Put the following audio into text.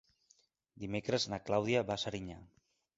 Dimecres na Clàudia va a Serinyà.